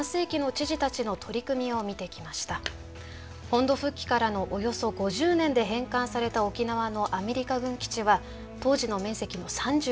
本土復帰からのおよそ５０年で返還された沖縄のアメリカ軍基地は当時の面積の３５％にあたります。